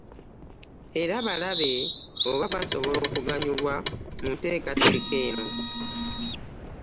Era balabe oba basobola okuganyulwa mu nteekateeka eno.